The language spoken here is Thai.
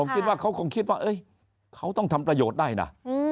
ผมคิดว่าเขาต้องทำประโยชน์ได้นะ